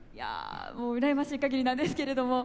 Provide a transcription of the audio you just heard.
もう羨ましいかぎりなんですけれども。